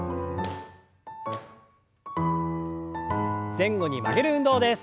前後に曲げる運動です。